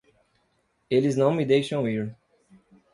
Eles não me deixam ir!